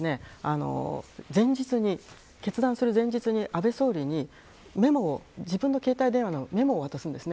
決断する前日に、安倍総理に自分の携帯電話のメモを渡すんです。